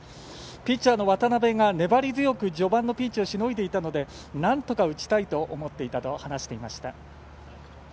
ピッチャーの渡邊が粘り強く序盤のピンチをしのいでいたのでなんとか打ちたいと思っていたと話しました。